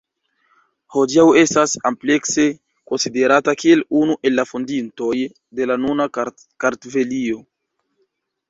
Hodiaŭ estas amplekse konsiderata kiel unu el la fondintoj de la nuna Kartvelio.